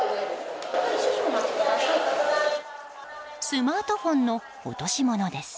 スマートフォンの落とし物です。